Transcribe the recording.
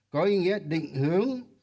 có ý nghĩa định hướng